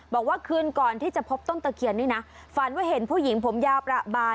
บอกว่าคืนก่อนที่จะพบต้นตะเคียนนี่นะฝันว่าเห็นผู้หญิงผมยาวประบาน